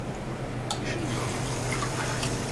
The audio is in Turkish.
Düşünmüyor musun?